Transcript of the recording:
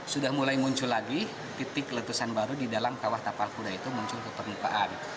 sudah mulai muncul lagi titik letusan baru di dalam kawah tapal kuda itu muncul ke permukaan